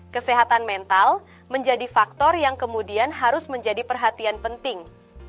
kesehatan mental menjadi faktor yang kemudian harus menjadi perhatian penting